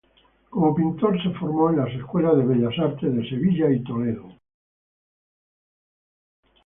Como pintor, se formó en las escuelas de Bellas Artes de Sevilla y Toledo.